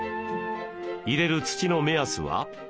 入れる土の目安は？